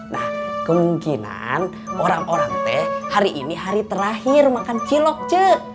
nah kemungkinan orang orang teh hari ini hari terakhir makan cilok cek